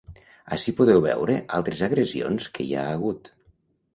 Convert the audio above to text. Ací podeu veure altres agressions que hi ha hagut.